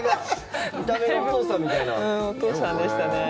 お父さんみたいでしたね。